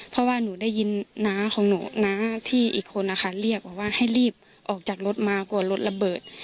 เพราะว่าหนูได้ยินน้าของหนูน้าที่อีกคนนะคะเรียกว่าให้รีบออกจากรถมากลัวรถระเบิด